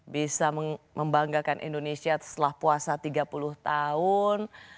bisa membanggakan indonesia setelah puasa tiga puluh tahun